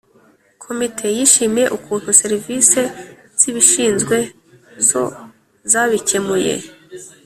komite yishimiye ukuntu serivise zibishinzwe zo zabikemuye